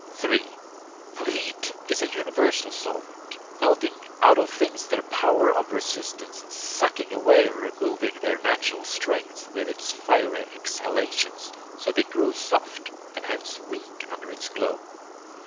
3. For heat is a universal solvent, melting out of things their power of resistance, and sucking away and removing their natural strength with its fiery exhalations so that they grow soft, and hence weak, under its glow.